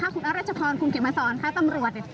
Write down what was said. คุณรัชพรคุณเกดมาสอนค่ะตำรวจ